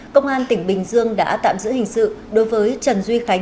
công an tỉnh bình dương đã tạm giữ hình sự đối với trần duy khánh